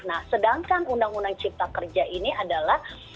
nah sedangkan undang undang cipta kerja ini adalah